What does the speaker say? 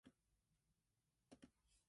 It wasn't as busy as I thought it would be.